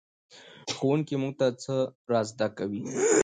ښوونکی موږ ته څه را زده کوي؟